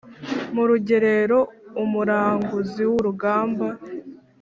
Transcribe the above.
murugerero umuraguzi wurugamba